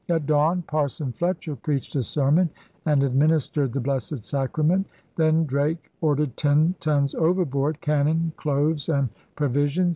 At dawn Parson Fletcher preached a sermon and administered the Blessed Sacrament. Then Drake ordered ten tons overboard — cannon, cloves, and provi sions.